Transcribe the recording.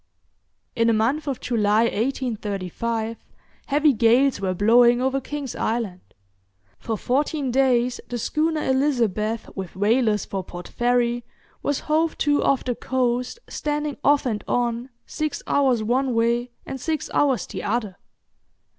In the month of July, 1835, heavy gales were blowing over King's Island. For fourteen days the schooner 'Elizabeth', with whalers for Port Fairy, was hove to off the coast, standing off and on, six hours one way and six hours the other.